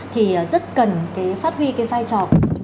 thì rất cần phát huy cái vai trò